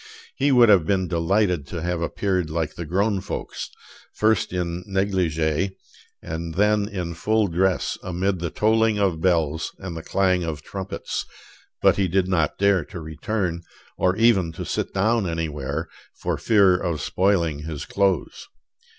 He would have been delighted to have appeared like the grown folks, first in negligee, and then in full dress amid the tolling of bells and the clang of trumpets; but he did not dare to return, or even to sit down anywhere, for fear of spoiling his clothes.